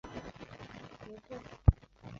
肚子又饿了